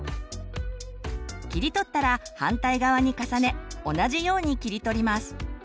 切り取ったら反対側に重ね同じように切り取ります。